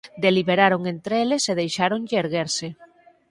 Deliberaron entre eles e deixáronlle erguerse.